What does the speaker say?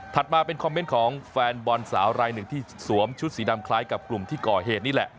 มาเป็นคอมเมนต์ของแฟนบอลสาวรายหนึ่งที่สวมชุดสีดำคล้ายกับกลุ่มที่ก่อเหตุนี่แหละ